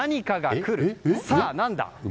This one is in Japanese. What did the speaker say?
さあ、何だ。